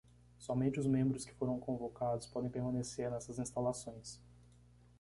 Somente os membros que foram convocados podem permanecer nessas instalações.